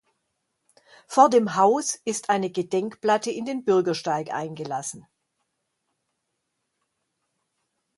Vor dem Haus ist eine Gedenkplatte in den Bürgersteig eingelassen.